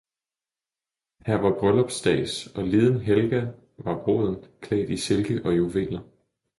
Her var Bryllupsstads, og liden Helga var Bruden, klædt i Silke og Juveler.